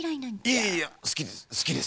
いいやすきです。